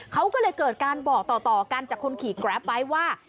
เขาก็เลยเกิดการบอกต่อกันจากคนขี่แกรปไว้ว่า